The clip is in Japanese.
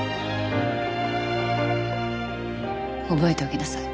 覚えておきなさい。